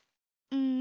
うん？